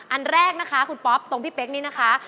อันแรกนะคะคุณป๊อปตรงพี่เป๊กนี่นะคะ